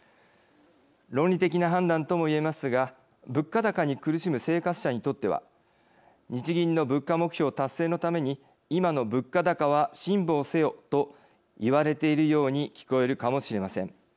論理的な判断とも言えますが物価高に苦しむ生活者にとっては日銀の物価目標達成のために今の物価高は辛抱せよと言われているように聞こえるかもしれません。